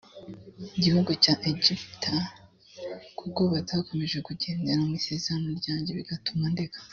gihugu cya egiputa kuko batakomeje kugendera mu isezerano ryanjye bigatuma ndeka